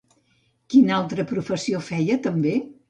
Quina altra professió feia també?